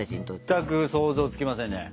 全く想像つきませんね。